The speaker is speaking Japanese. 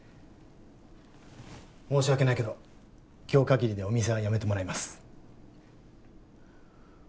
申し訳ないけど今日かぎりでお店は辞めてもらいます。